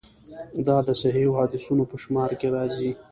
دا د صحیحو حدیثونو په شمار کې راځي.